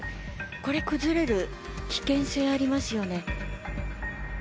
これ、崩れる危険性ありますよね。